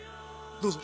どうぞ！